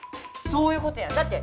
そういうことやだって。